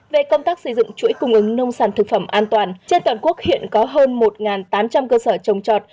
về công tác xây dựng chuỗi cung ứng nông sản thực phẩm an toàn trên toàn quốc hiện có hơn một tám trăm linh cơ sở trồng trọt